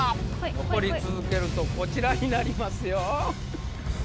残り続けるとこちらになりますよ。